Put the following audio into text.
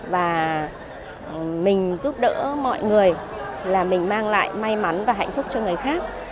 và mình giúp đỡ mọi người là mình mang lại may mắn và hạnh phúc cho người khác